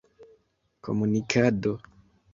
komunikado